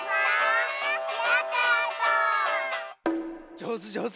じょうずじょうず！